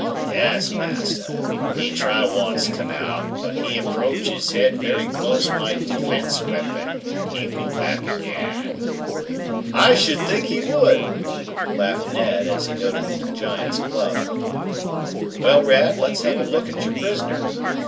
"Yes, Master! He try once come out, but he approach his head very close my defense weapon and he go back again." "I should think he would," laughed Ned, as he noted the giant's club. "Well, Rad, let's have a look at your prisoner.